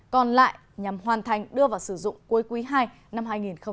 còn lại nhằm hoàn thành đưa vào sử dụng cuối quý ii năm hai nghìn hai mươi